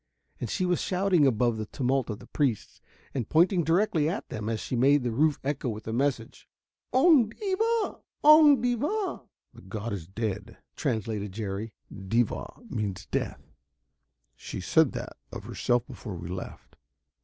And she was shouting above the tumult of the priests and pointing directly at them as she made the roof echo with the message: "Oong devah! Oong devah!" "The god is dead," translated Jerry. "Devah means death; she said that of herself before we left.